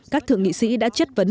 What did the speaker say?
các thượng nghị sĩ đã chất vấn